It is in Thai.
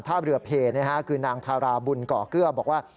ท่าเรือเพลคือนางทาราบุญก่อเกลือบอกว่า